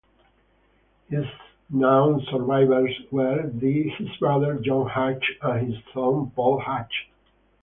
His known survivors were his brother John Hatch and his son Paul Hatch.